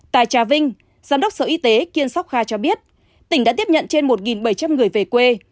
tại trà vinh giám đốc sở y tế kiên sóc kha cho biết tỉnh đã tiếp nhận trên một bảy trăm linh người về quê